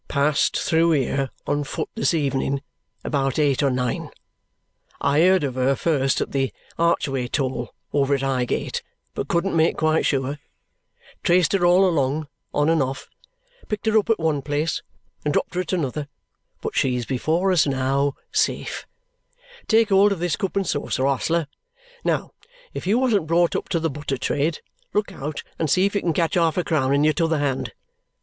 "Passed through here on foot this evening about eight or nine. I heard of her first at the archway toll, over at Highgate, but couldn't make quite sure. Traced her all along, on and off. Picked her up at one place, and dropped her at another; but she's before us now, safe. Take hold of this cup and saucer, ostler. Now, if you wasn't brought up to the butter trade, look out and see if you can catch half a crown in your t'other hand.